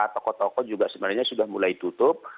toko toko juga sebenarnya sudah mulai tutup